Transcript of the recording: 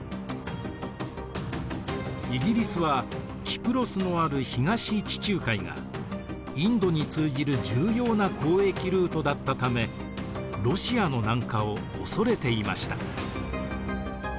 イギリスはキプロスのある東地中海がインドに通じる重要な交易ルートだったためロシアの南下を恐れていました。